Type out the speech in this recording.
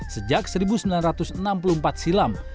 sejak seribu sembilan ratus enam puluh empat silam